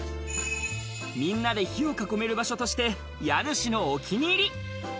みんなで火をかこめる場所として、家主のお気に入り。